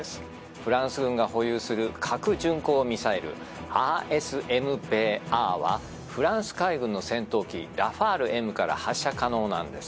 フランス軍が保有する核巡航ミサイルＡＳＭＰＡはフランス海軍の戦闘機ラファールＭから発射可能なんです。